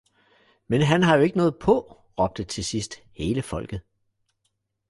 Men han har jo ikke noget på, råbte til sidst hele folket